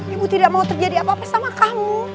ibu tidak mau terjadi apa apa sama kamu